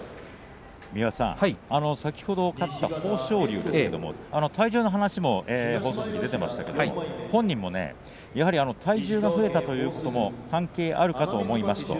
先ほど帰ってきた豊昇龍ですけれども体重の話も放送席で出ていましたが本人もやはり体重が増えたということも関係あるかと思いますと。